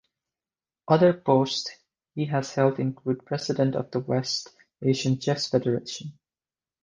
Other posts he has held include President of the West Asian Chess Federation.